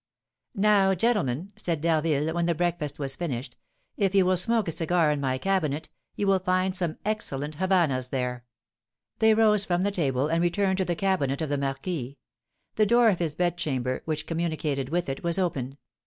"Now, gentlemen," said D'Harville, when the breakfast was finished, "if you will smoke a cigar in my cabinet, you will find some excellent Havannahs there." They rose from the table, and returned to the cabinet of the marquis. The door of his bedchamber, which communicated with it, was open.